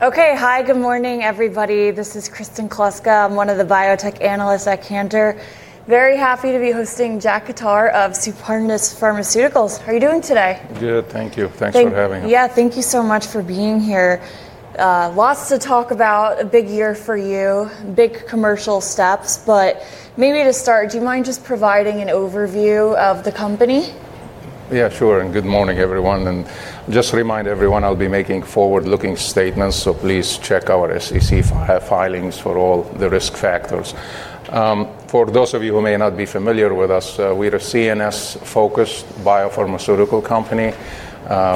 Okay, hi, good morning everybody. This is Kristen Kluska, I'm one of the biotech analysts at Cantor. Very happy to be hosting Jack Khattar of Supernus Pharmaceuticals. How are you doing today? Good, thank you. Thanks for having me. Yeah, thank you so much for being here. Lots to talk about, a big year for you, big commercial steps, but maybe to start, do you mind just providing an overview of the company? Yeah, sure, and good morning everyone. Just to remind everyone, I'll be making forward-looking statements, so please check our SEC filings for all the risk factors. For those of you who may not be familiar with us, we're a CNS-focused biopharmaceutical company.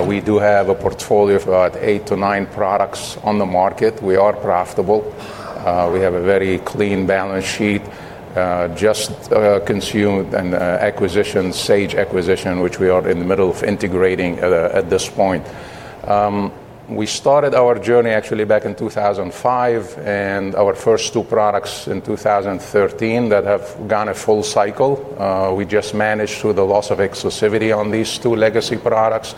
We do have a portfolio of about eight to nine products on the market. We are profitable. We have a very clean balance sheet. Just consumed an acquisition, Sage acquisition, which we are in the middle of integrating at this point. We started our journey actually back in 2005 and our first two products in 2013 that have gone a full cycle. We just managed through the loss of exclusivity on these two legacy products.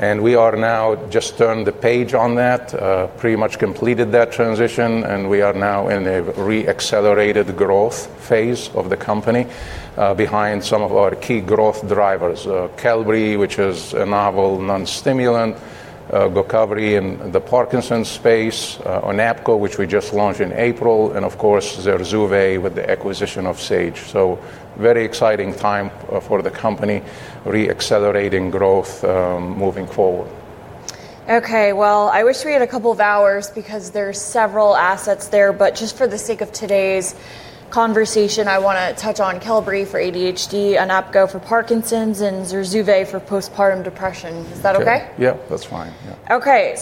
We are now just turned the page on that, pretty much completed that transition, and we are now in a re-accelerated growth phase of the company, behind some of our key growth drivers: Qelbree, which is a novel non-stimulant, GOCOVRI in the Parkinson’s space, ONAPGO, which we just launched in April, and of course ZURZUVAE with the acquisition of Sage. Very exciting time for the company, re-accelerating growth moving forward. Okay, I wish we had a couple of hours because there are several assets there, but just for the sake of today's conversation, I want to touch on Qelbree for ADHD, ONAPGO for Parkinson's, and ZURZUVAE for postpartum depression. Is that okay? Yeah, that's fine. Okay,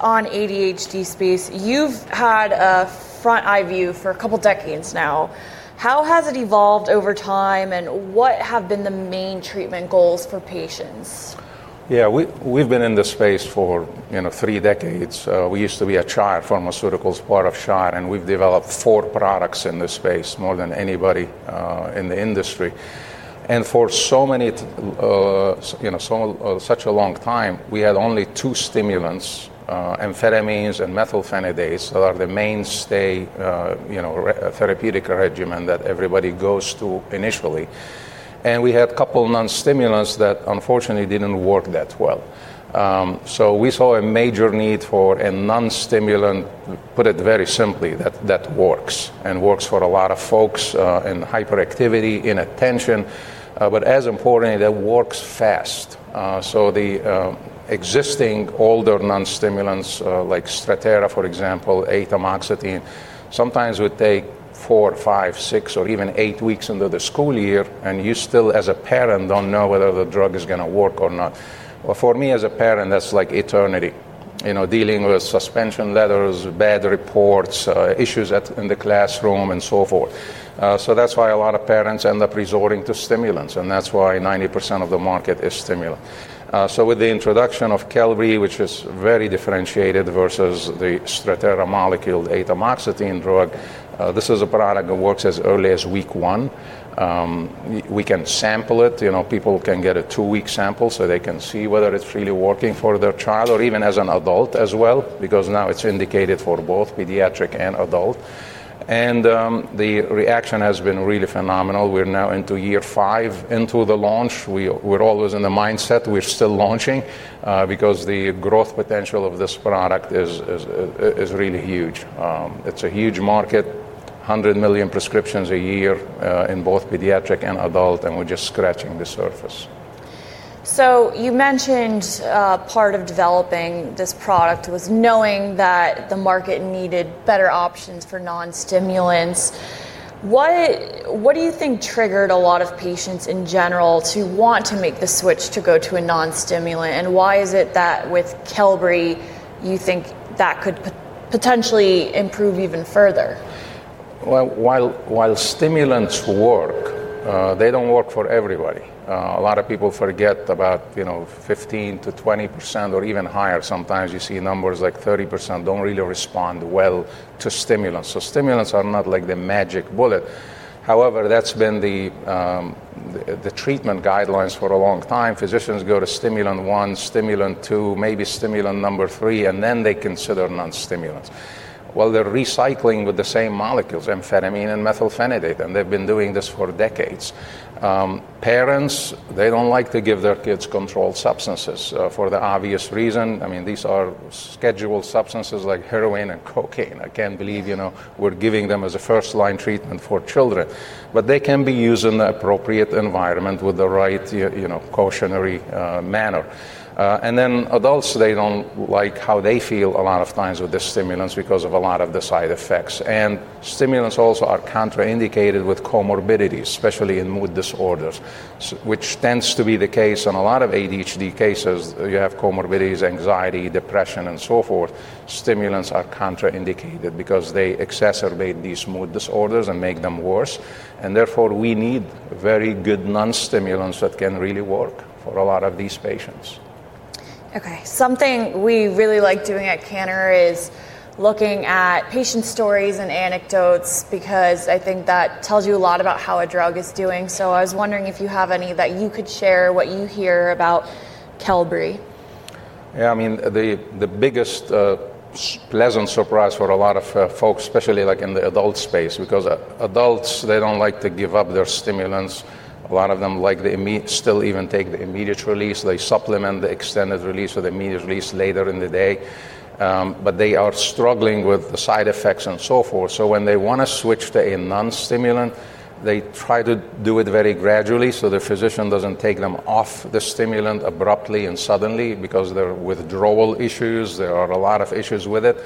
on the ADHD space, you've had a front-end view for a couple of decades now. How has it evolved over time, and what have been the main treatment goals for patients? Yeah, we've been in this space for, you know, three decades. We used to be a Shire Pharmaceuticals, part of Shire, and we've developed four products in this space, more than anybody in the industry. For so many, you know, so much such a long time, we had only two stimulants, amphetamines and methylphenidates, that are the mainstay, you know, therapeutic regimen that everybody goes to initially. We had a couple non-stimulants that unfortunately didn't work that well. We saw a major need for a non-stimulant, put it very simply, that works and works for a lot of folks, in hyperactivity, in attention. As important, it works fast. The existing older non-stimulants, like Strattera, for example, atomoxetine, sometimes would take four, five, six, or even eight weeks into the school year, and you still, as a parent, don't know whether the drug is going to work or not. For me as a parent, that's like eternity. You know, dealing with suspension letters, bad reports, issues in the classroom, and so forth. That's why a lot of parents end up resorting to stimulants, and that's why 90% of the market is stimulants. With the introduction of Qelbree, which is very differentiated versus the Strattera molecule, the atomoxetine drug, this is a product that works as early as week one. We can sample it, you know, people can get a two-week sample so they can see whether it's really working for their child or even as an adult as well, because now it's indicated for both pediatric and adult. The reaction has been really phenomenal. We're now into year five into the launch. We're always in the mindset, we're still launching, because the growth potential of this product is, is, is really huge. It's a huge market, 100 million prescriptions a year, in both pediatric and adult, and we're just scratching the surface. You mentioned part of developing this product was knowing that the market needed better options for non-stimulants. What do you think triggered a lot of patients in general to want to make the switch to go to a non-stimulant? Why is it that with Qelbree, you think that could potentially improve even further? While stimulants work, they don't work for everybody. A lot of people forget about, you know, 15%- 20% or even higher. Sometimes you see numbers like 30% don't really respond well to stimulants. Stimulants are not like the magic bullet. However, that's been the treatment guidelines for a long time. Physicians go to stimulant one, stimulant two, maybe stimulant number three, and then they consider non-stimulants. They're recycling with the same molecules, amphetamine and methylphenidate, and they've been doing this for decades. Parents don't like to give their kids controlled substances, for the obvious reason. I mean, these are scheduled substances like heroin and cocaine. I can't believe, you know, we're giving them as a first-line treatment for children. They can be used in the appropriate environment with the right, you know, cautionary manner. Adults don't like how they feel a lot of times with the stimulants because of a lot of the side effects. Stimulants also are contraindicated with comorbidities, especially in mood disorders, which tends to be the case in a lot of ADHD cases. You have comorbidities, anxiety, depression, and so forth. Stimulants are contraindicated because they exacerbate these mood disorders and make them worse. Therefore, we need very good non-stimulants that can really work for a lot of these patients. Okay, something we really like doing at Cantor is looking at patient stories and anecdotes because I think that tells you a lot about how a drug is doing. I was wondering if you have any that you could share, what you hear about Qelbree. Yeah, I mean, the biggest, pleasant surprise for a lot of folks, especially like in the adult space, because adults, they don't like to give up their stimulants. A lot of them like to still even take the immediate release. They supplement the extended release or the immediate release later in the day, but they are struggling with the side effects and so forth. When they want to switch to a non-stimulant, they try to do it very gradually so the physician doesn't take them off the stimulant abruptly and suddenly because there are withdrawal issues. There are a lot of issues with it.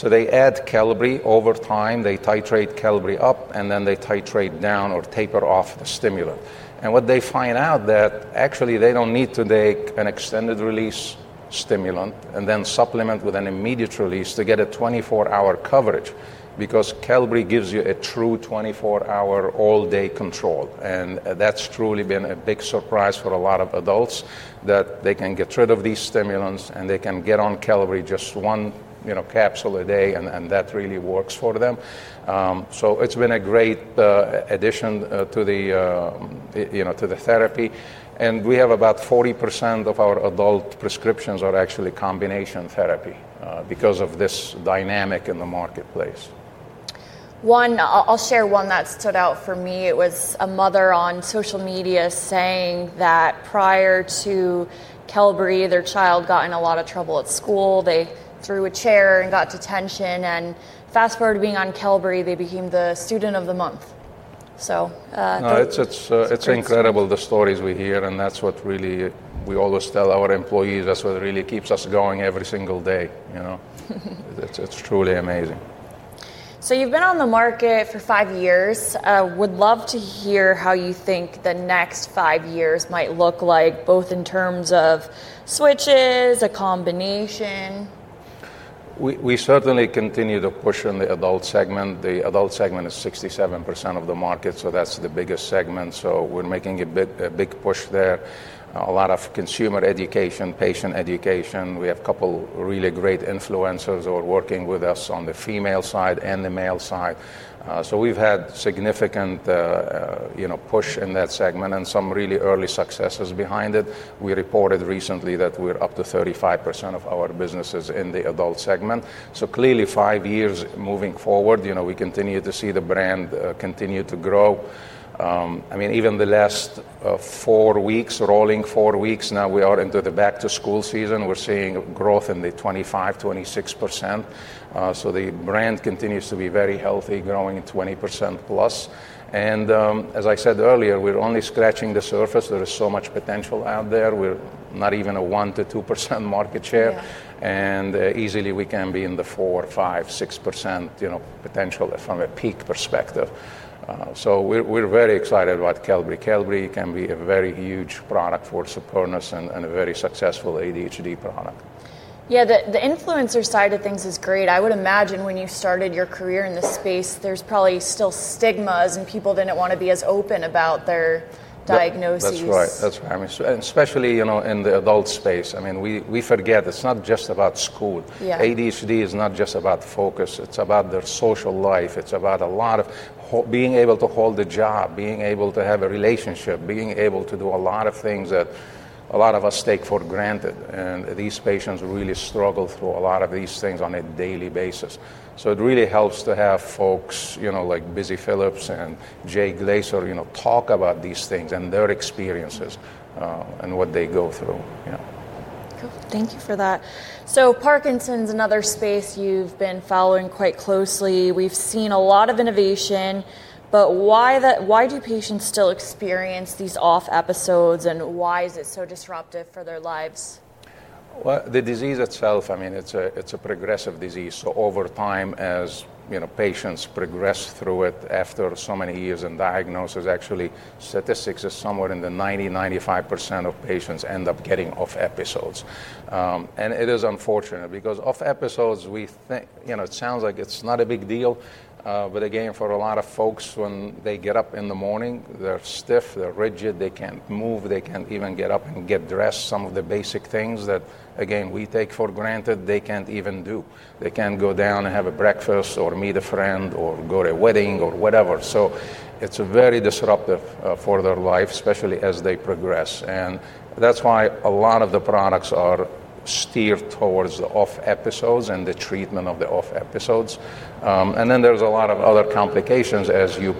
They add Qelbree over time. They titrate Qelbree up and then they titrate down or taper off the stimulant. What they find out is that actually they don't need to take an extended release stimulant and then supplement with an immediate release to get a 24-hour coverage because Qelbree gives you a true 24-hour all-day control. That's truly been a big surprise for a lot of adults that they can get rid of these stimulants and they can get on Qelbree just one, you know, capsule a day and that really works for them. It's been a great addition to the therapy. We have about 40% of our adult prescriptions are actually combination therapy, because of this dynamic in the marketplace. One, I'll share one that stood out for me. It was a mother on social media saying that prior to Qelbree, their child got in a lot of trouble at school. They threw a chair and got detention. Fast forward to being on Qelbree, they became the student of the month. It's incredible, the stories we hear, and that's what really, we always tell our employees, that's what really keeps us going every single day, you know? It's truly amazing. You've been on the market for five years. I would love to hear how you think the next five years might look, both in terms of switches and combination. We certainly continue to push on the adult segment. The adult segment is 67% of the market, so that's the biggest segment. We're making a big push there, a lot of consumer education, patient education. We have a couple of really great influencers who are working with us on the female side and the male side. We've had significant push in that segment and some really early successes behind it. We reported recently that we're up to 35% of our business in the adult segment. Clearly, five years moving forward, we continue to see the brand continue to grow. I mean, even the last four weeks, rolling four weeks, now we are into the back-to-school season. We're seeing growth in the 25%, 26%. The brand continues to be very healthy, growing 20%+. As I said earlier, we're only scratching the surface. There is so much potential out there. We're not even at a 1%- 2% market share, and easily we can be in the 4%, 5%, 6% potential from a peak perspective. We're very excited about Qelbree. Qelbree can be a very huge product for Supernus and a very successful ADHD product. Yeah, the influencer side of things is great. I would imagine when you started your career in this space, there's probably still stigmas, and people didn't want to be as open about their diagnoses. That's right. That's right. I mean, especially in the adult space. I mean, we forget it's not just about school. ADHD is not just about focus. It's about their social life. It's about a lot of being able to hold a job, being able to have a relationship, being able to do a lot of things that a lot of us take for granted. These patients really struggle through a lot of these things on a daily basis. It really helps to have folks like Busy Philipps and Jay Glazer talk about these things and their experiences, and what they go through. Thank you for that. Parkinson's is another space you've been following quite closely. We've seen a lot of innovation, yet why do patients still experience these off episodes and why is it so disruptive for their lives? The disease itself is a progressive disease. Over time, as patients progress through it after so many years in diagnosis, actually statistics are somewhere in the 90%-95% of patients end up getting off episodes. It is unfortunate because off episodes, we think it sounds like it's not a big deal, but again, for a lot of folks, when they get up in the morning, they're stiff, they're rigid, they can't move, they can't even get up and get dressed. Some of the basic things that we take for granted, they can't even do. They can't go down and have a breakfast or meet a friend or go to a wedding or whatever. It is very disruptive for their life, especially as they progress. That's why a lot of the products are steered towards the off episodes and the treatment of the off episodes. There are a lot of other complications as you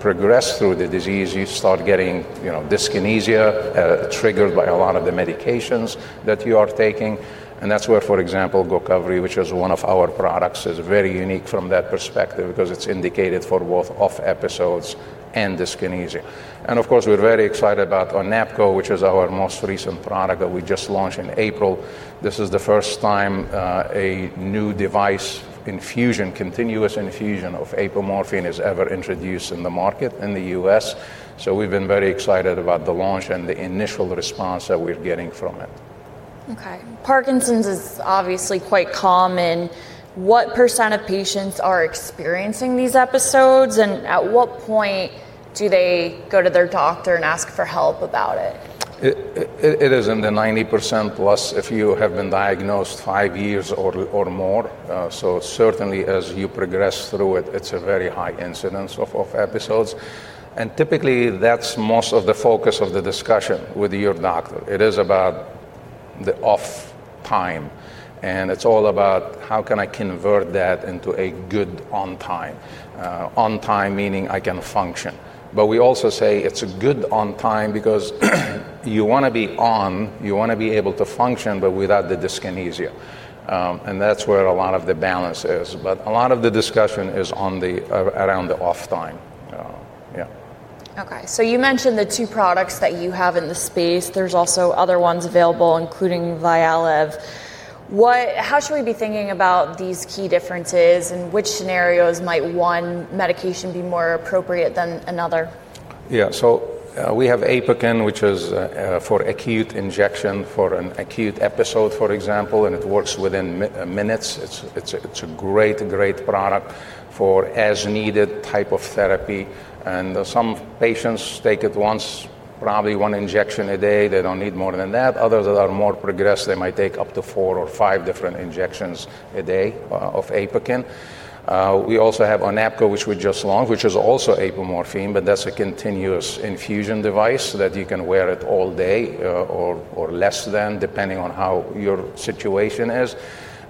progress through the disease. You start getting dyskinesia triggered by a lot of the medications that you are taking. That's where, for example, GOCOVRI, which is one of our products, is very unique from that perspective because it's indicated for both off episodes and dyskinesia. Of course, we're very excited about ONAPGO, which is our most recent product that we just launched in April. This is the first time a new device, infusion, continuous infusion of apomorphine is ever introduced in the market in the U.S. We've been very excited about the launch and the initial response that we're getting from it. Okay. Parkinson's is obviously quite common. What percent of patients are experiencing these episodes, and at what point do they go to their doctor and ask for help about it? It is in the 90%+ if you have been diagnosed five years or more. Certainly, as you progress through it, it's a very high incidence of episodes. Typically, that's most of the focus of the discussion with your doctor. It is about the off time. It's all about how can I convert that into a good on time, on time meaning I can function. We also say it's a good on time because you want to be on, you want to be able to function, but without the dyskinesia. That's where a lot of the balance is. A lot of the discussion is around the off time. Okay. You mentioned the two products that you have in the space. There are also other ones available, including. [inaudible] How should we be thinking about these key differences, and which scenarios might one medication be more appropriate than another? Yeah, so we have APOKYN, which is for acute injection for an acute episode, for example, and it works within minutes. It's a great, great product for as-needed type of therapy. Some patients take it once, probably one injection a day. They don't need more than that. Others that are more progressed, they might take up to four or five different injections a day of APOKYN. We also have ONAPGO, which we just launched, which is also apomorphine, but that's a continuous infusion device that you can wear all day or less than, depending on how your situation is.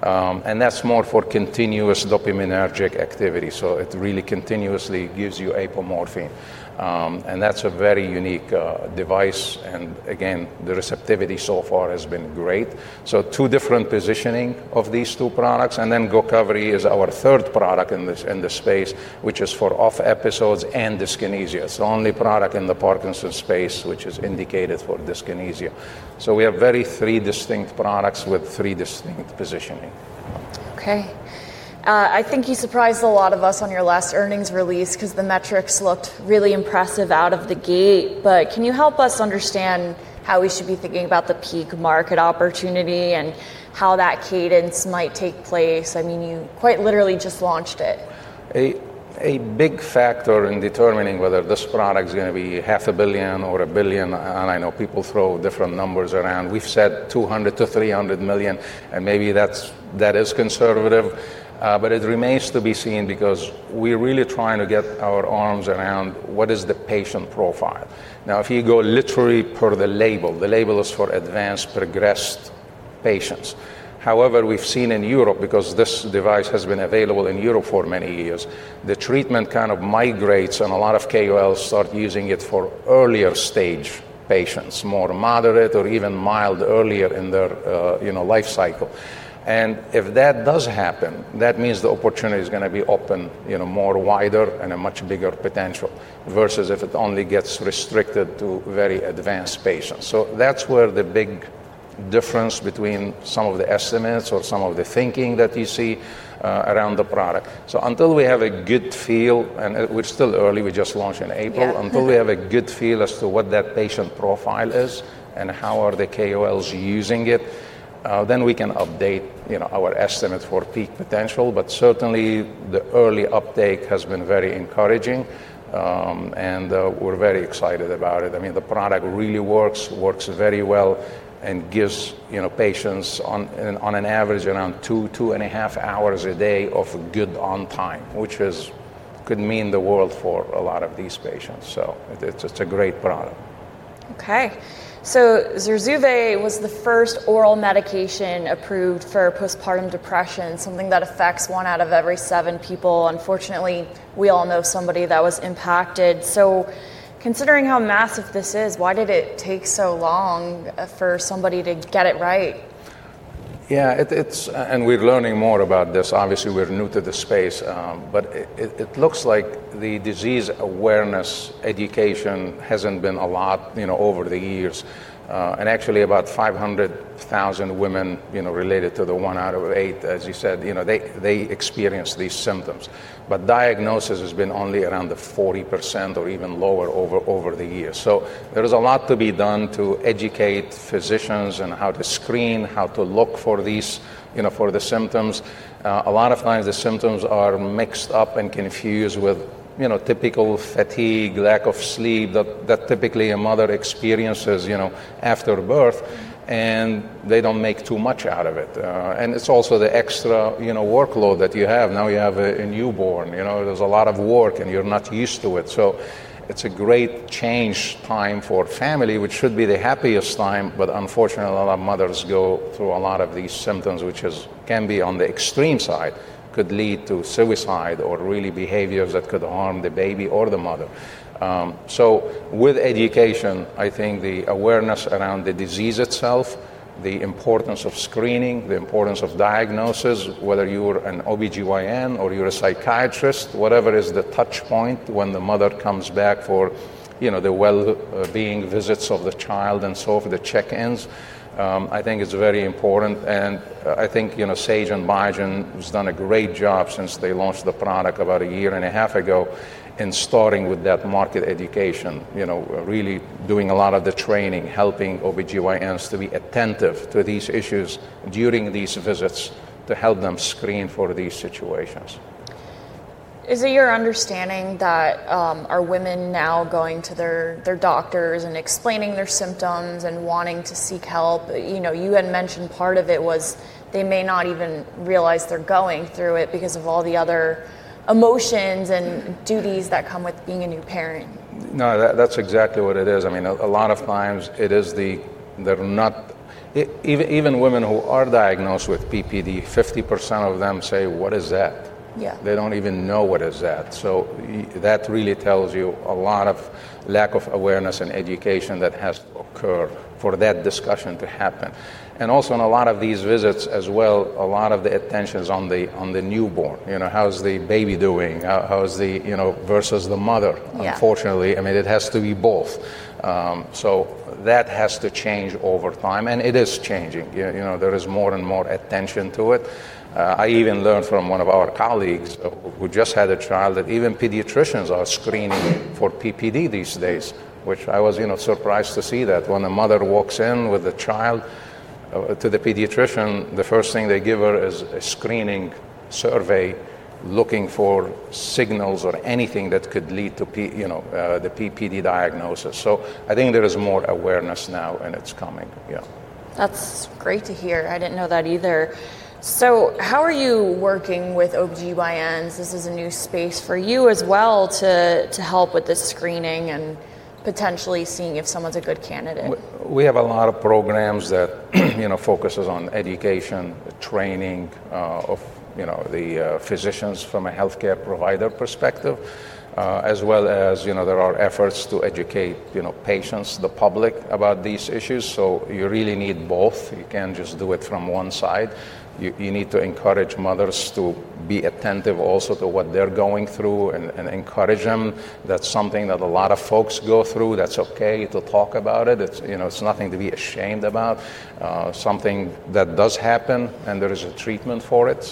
That's more for continuous dopaminergic activity. It really continuously gives you apomorphine, and that's a very unique device. The receptivity so far has been great. Two different positionings of these two products. GOCOVRI is our third product in this space, which is for off episodes and dyskinesia. It's the only product in the Parkinson's space which is indicated for dyskinesia. We have three very distinct products with three distinct positionings. Okay. I think you surprised a lot of us on your last earnings release because the metrics looked really impressive out of the gate. Can you help us understand how we should be thinking about the peak market opportunity and how that cadence might take place? I mean, you quite literally just launched it. A big factor in determining whether this product is going to be $500 million or $1 billion, and I know people throw different numbers around. We've said $200 million- $300 million, and maybe that is conservative, but it remains to be seen because we're really trying to get our arms around what is the patient profile. Now, if you go literally per the label, the label is for advanced, progressed patients. However, we've seen in Europe, because this device has been available in Europe for many years, the treatment kind of migrates and a lot of KOLs start using it for earlier stage patients, more moderate or even mild earlier in their, you know, life cycle. If that does happen, that means the opportunity is going to be open, you know, more wider and a much bigger potential versus if it only gets restricted to very advanced patients. That's where the big difference between some of the estimates or some of the thinking that you see around the product. Until we have a good feel, and we're still early, we just launched in April, until we have a good feel as to what that patient profile is and how are the KOLs using it, then we can update, you know, our estimate for peak potential. Certainly, the early uptake has been very encouraging, and we're very excited about it. I mean, the product really works, works very well and gives, you know, patients on an average around two, two and a half hours a day of good on time, which could mean the world for a lot of these patients. It's just a great product. Okay. ZURZUVAE was the first oral medication approved for postpartum depression, something that affects one out of every seven people. Unfortunately, we all know somebody that was impacted. Considering how massive this is, why did it take so long for somebody to get it right? Yeah, it's, and we're learning more about this. Obviously, we're new to the space, but it looks like the disease awareness education hasn't been a lot, you know, over the years. Actually, about 500,000 women, you know, related to the one out of eight, as you said, you know, they experience these symptoms. Diagnosis has been only around the 40% or even lower over the years. There's a lot to be done to educate physicians on how to screen, how to look for these, you know, for the symptoms. A lot of times, the symptoms are mixed up and confused with, you know, typical fatigue, lack of sleep that typically a mother experiences, you know, after birth, and they don't make too much out of it. It's also the extra, you know, workload that you have. Now you have a newborn, you know, there's a lot of work and you're not used to it. It's a great change time for family, which should be the happiest time. Unfortunately, a lot of mothers go through a lot of these symptoms, which can be on the extreme side, could lead to suicide or really behaviors that could harm the baby or the mother. With education, I think the awareness around the disease itself, the importance of screening, the importance of diagnosis, whether you're an OB/GYN or you're a psychiatrist, whatever is the touchpoint when the mother comes back for, you know, the well-being visits of the child and so forth, the check-ins. I think it's very important. I think, you know, Sage and Biogen have done a great job since they launched the product about a year and a half ago in starting with that market education, you know, really doing a lot of the training, helping OB/GYNs to be attentive to these issues during these visits to help them screen for these situations. Is it your understanding that women are now going to their doctors and explaining their symptoms and wanting to seek help? You had mentioned part of it was they may not even realize they're going through it because of all the other emotions and duties that come with being a new parent. No, that's exactly what it is. I mean, a lot of times it is the, they're not, even women who are diagnosed with PPD, 50% of them say, what is that? T hey don't even know what is that. That really tells you a lot of lack of awareness and education that has to occur for that discussion to happen. Also, in a lot of these visits as well, a lot of the attention is on the newborn. You know, how's the baby doing? How's the, you know, versus the mother? Unfortunately, I mean, it has to be both. That has to change over time, and it is changing. You know, there is more and more attention to it. I even learned from one of our colleagues who just had a child that even pediatricians are screening for PPD these days, which I was, you know, surprised to see that when a mother walks in with a child to the pediatrician, the first thing they give her is a screening survey looking for signals or anything that could lead to, you know, the PPD diagnosis. I think there is more awareness now, and it's coming, you know. That's great to hear. I didn't know that either. How are you working with OB/GYNs? This is a new space for you as well to help with the screening and potentially seeing if someone's a good candidate. We have a lot of programs that focus on education, the training of the physicians from a healthcare provider perspective, as well as efforts to educate patients and the public about these issues. You really need both. You can't just do it from one side. You need to encourage mothers to be attentive also to what they're going through and encourage them. That's something that a lot of folks go through. That's okay to talk about it. It's nothing to be ashamed about, something that does happen, and there is a treatment for it.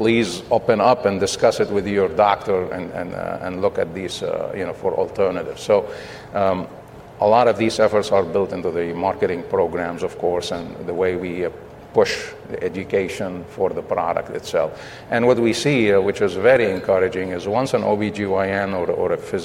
Please open up and discuss it with your doctor and look at these for alternatives. A lot of these efforts are built into the marketing programs, of course, and the way we push the education for the product itself. What we see, which is very encouraging, is once an OB/GYN or a physician.